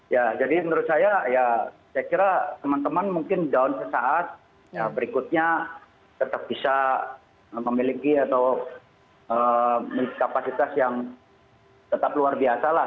ya jadi menurut saya ya saya kira teman teman mungkin down sesaat berikutnya tetap bisa memiliki atau kapasitas yang tetap luar biasa lah